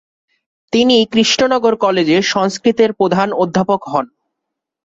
তিনি কৃষ্ণনগর কলেজে সংস্কৃতের প্রধান অধ্যাপক হন।